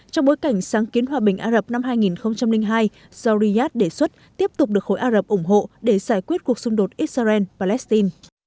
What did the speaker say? trong bối cảnh sáng kiến hòa bình ả rập năm hai nghìn hai do riyadh đề xuất tiếp tục được khối ả rập ủng hộ để giải quyết cuộc xung đột israel palestine